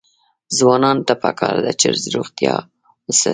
ځوانانو ته پکار ده چې، روغتیا وساتي.